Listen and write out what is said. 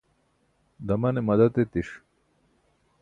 damane madad etiṣ